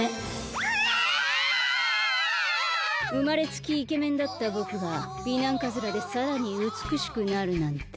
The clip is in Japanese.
うまれつきイケメンだったぼくが美男カズラでさらにうつくしくなるなんて。